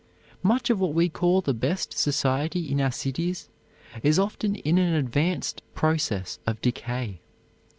Much of what we call the best society in our cities is often in an advanced process of decay.